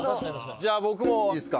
じゃあ僕もいいっすか。